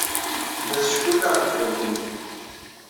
Tella teckelleɛ deg ufurk-nni.